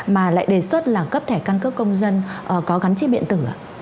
mà lại đề xuất là cấp thẻ căn cước công dân có gắn chip điện tử ạ